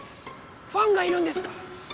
ファンがいるんですか？